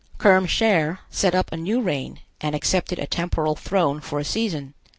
Kerm Cher set up a new reign, and accepted a temporal throne for a season.